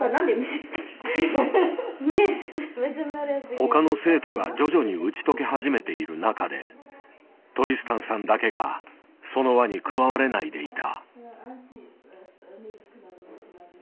他の生徒が徐々に打ち解け始めている中でトリスタンさんだけがその輪に加われないでいた。